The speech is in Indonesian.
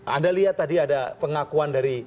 anda lihat tadi ada pengakuan dari